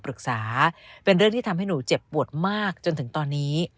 เป็นเรื่องที่ทำให้หนูเจ็บปวดมากจนถึงตอนนี้